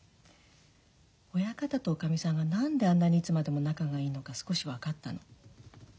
親方とおかみさんが何であんなにいつまでも仲がいいのか少し分かったの。